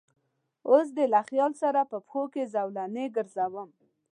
اوس دې له خیال سره په پښو کې زولنې ګرځوم